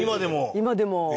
今でも。